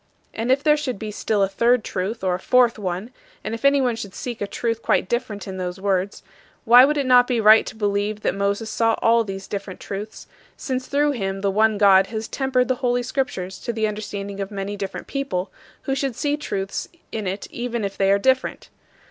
And if there should be still a third truth or a fourth one, and if anyone should seek a truth quite different in those words, why would it not be right to believe that Moses saw all these different truths, since through him the one God has tempered the Holy Scriptures to the understanding of many different people, who should see truths in it even if they are different?